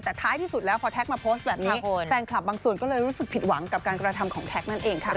แต่ท้ายที่สุดแล้วพอแท็กมาโพสต์แบบนี้แฟนคลับบางส่วนก็เลยรู้สึกผิดหวังกับการกระทำของแท็กนั่นเองค่ะ